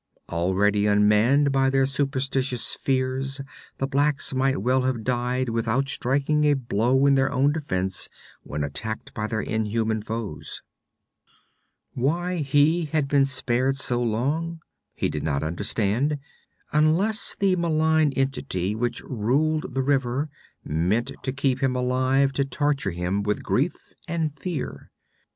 Already unmanned by their superstitious fears, the blacks might well have died without striking a blow in their own defense when attacked by their inhuman foes. Why he had been spared so long, he did not understand, unless the malign entity which ruled the river meant to keep him alive to torture him with grief and fear.